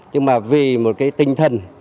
nhưng mà vì một cái tinh thần